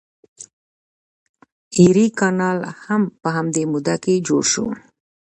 ایري کانال هم په همدې موده کې جوړ شو.